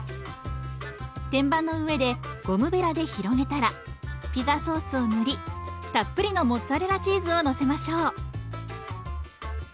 天板の上でゴムべらで広げたらピザソースを塗りたっぷりのモッツァレラチーズをのせましょう。